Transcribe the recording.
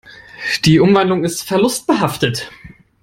Die Umwandlung ist verlustbehaftet.